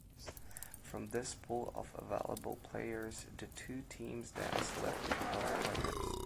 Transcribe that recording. From this pool of available players, the two teams then selected twelve players.